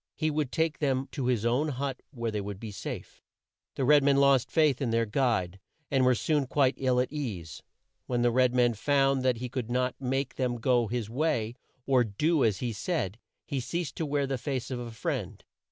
He would take them to his own hut where they would be safe. The white men lost faith in their guide, and were soon quite ill at ease. When the red man found that he could not make them go his way, or do as he said, he ceased to wear the face of a friend.